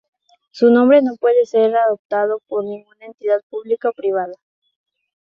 Su nombre no puede ser adoptado por ninguna entidad pública o privada.